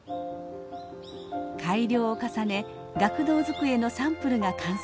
改良を重ね学童机のサンプルが完成しました。